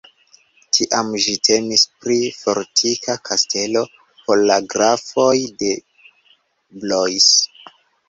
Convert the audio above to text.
Tiam ĝi temis pri fortika kastelo por la grafoj de Blois.